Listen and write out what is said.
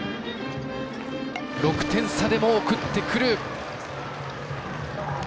６点差でも送ってくる。